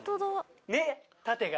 ねっ縦が。